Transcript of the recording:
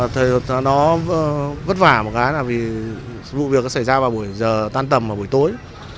thời gian đó vất vả một cái là vì vụ việc xảy ra vào buổi giờ tan tầm và buổi tối